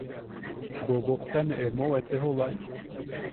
Bobokta ne emou etejobae.